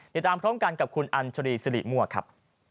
เดี๋ยวตามท้องกันกับคุณอันชะรีสิริมั่วครับ